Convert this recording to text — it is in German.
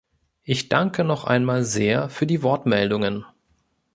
Ich danke noch einmal sehr für die Wortmeldungen.